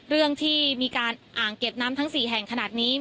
เรื่องที่มีการอ่างเก็บน้ำทั้ง๔แห่งขนาดนี้